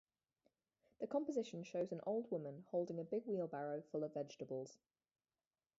The composition shows an old woman holding a big wheelbarrow full of vegetables.